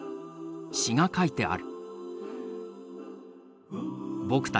詩が書いてある。